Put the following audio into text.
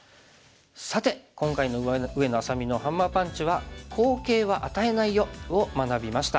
さて今回の上野愛咲美のハンマーパンチは「好形は与えないよ」を学びました。